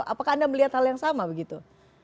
apakah anda melihat hal yang sama begitu